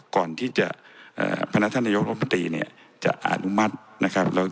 ก่อนที่พนัทนายกโรงประตูนี้